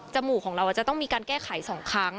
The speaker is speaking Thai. มูกของเราจะต้องมีการแก้ไข๒ครั้ง